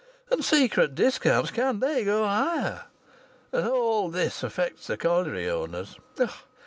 And secret discounts; can they go higher? And all this affects the colliery owners.